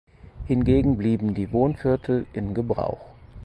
Hingegen blieben die Wohnviertel in Gebrauch.